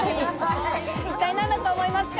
一体何だと思いますか？